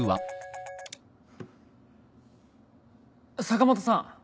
坂本さん！